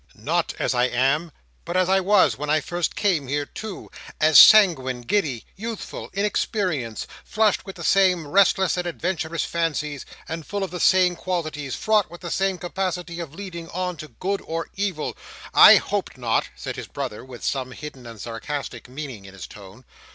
"Not as I am, but as I was when I first came here too; as sanguine, giddy, youthful, inexperienced; flushed with the same restless and adventurous fancies; and full of the same qualities, fraught with the same capacity of leading on to good or evil." "I hope not," said his brother, with some hidden and sarcastic meaning in his tone.